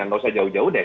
nggak usah jauh jauh deh